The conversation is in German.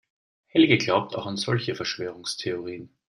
Helge glaubt auch an solche Verschwörungstheorien.